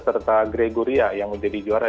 serta gregoria yang menjadi juara